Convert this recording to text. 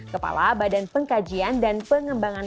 kepala badan pengkajian dan pengembangan